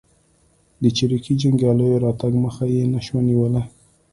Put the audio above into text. د چریکي جنګیالیو راتګ مخه یې نه شوه نیولای.